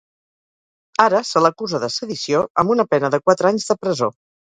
Ara se l'acusa de sedició amb una pena de quatre anys de presó.